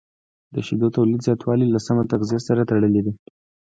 د شیدو تولید زیاتوالی له سمه تغذیې سره تړلی دی.